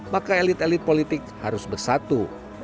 maka elit elit politik harus bersatu